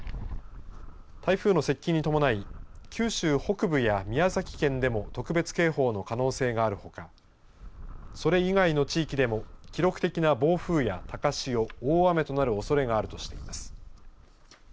台風の接近に伴い九州北部や宮崎県でも特別警報の可能性があるほかそれ以外の地域でも記録的な暴風や高潮大雨となるおそれがあるとしています。